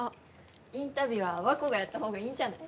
インタビュアー和子がやった方がいいんじゃない？